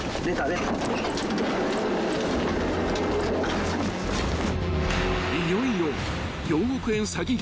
［いよいよ］